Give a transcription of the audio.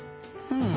うん。